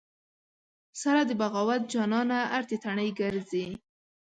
سره د بغاوت جانانه ارتې تڼۍ ګرځې